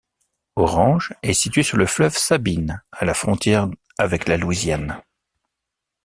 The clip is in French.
Orange est située sur le fleuve Sabine, à la frontière avec la Louisiane.